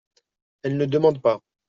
Elle ne demande pas.